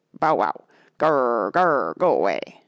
'* ''Bow wow! Gr r r, Gr r r! Go away!''